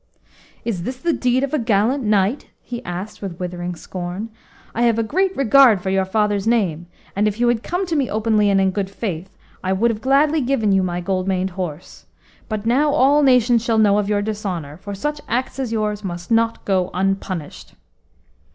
"Is this the deed of a gallant knight?" he asked with withering scorn "I have a great regard for your father's name, and if you had come to me openly and in good faith, I would gladly have given you my gold maned horse. But now all nations shall know of your dishonour, for such acts as yours must not go unpunished."